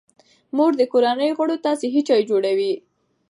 مور د کورنۍ غړو ته صحي چای جوړوي.